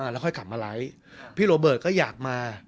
แล้วค่อยกลับมาไลค์พี่โรเบิร์ตก็อยากมา